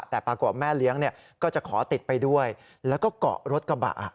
แต่ปรากฏแม่เลี้ยงก็จะขอติดไปด้วยแล้วก็เกาะรถกระบะ